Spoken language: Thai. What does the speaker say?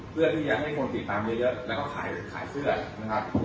เพื่อที่จะให้คนติดตามเยอะแล้วก็ขายเสื้อนะครับ